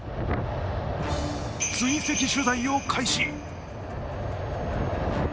追跡取材を開始。